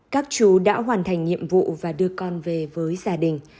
các chú đã hoàn thành nhiệm vụ và đưa con về với gia đình